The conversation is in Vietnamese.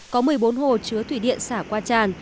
có một mươi bốn hồ chứa thủy điện xả qua tràn